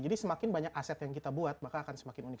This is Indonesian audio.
jadi semakin banyak aset yang kita buat maka akan semakin unik